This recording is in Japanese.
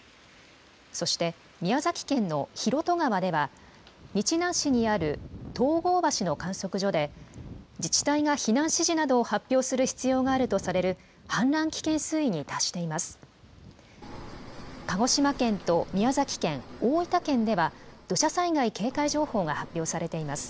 そして、宮崎県の広渡川では、日南市にある東郷橋の観測所で、自治体が避難指示などを発表する必要があるとされる氾濫危険水位に達しています。